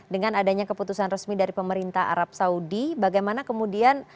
dengan adanya keputusan resmi dari pemerintah arab saudi bagaimana kemudian